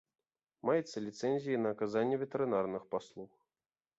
Маецца ліцэнзія і на аказанне ветэрынарных паслуг.